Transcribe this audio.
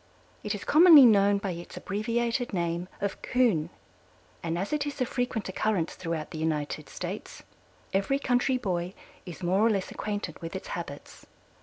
It is commonly known by its abbreviated name of Coon, and as it is of frequent occurrence throughout the United States, every country boy is more or less acquainted with its habits.